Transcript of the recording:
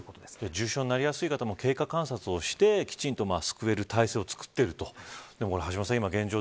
重症になりやすい方も経過観察をしてきちんと救える体制を作っていると橋下さん、現状